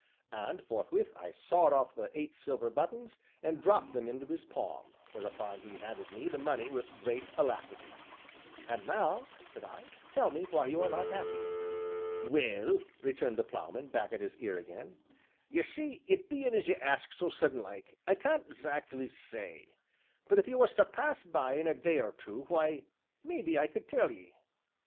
And, forthwith, I sawed off the eight silver buttons and dropped them into his palm, whereupon he handed me the money with great alacrity. "And now," said I, "tell me why you are not happy." "Well," returned the Ploughman, back at his ear again, "ye see it bein' as you ask so sudden like, I can't 'zack'ly say, but if you was to pass by in a day or two, why, maybe I could tell ye."